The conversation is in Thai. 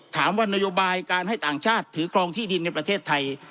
ถามว่านโยบายการให้ต่างชาติถือครองที่ดินในประเทศไทย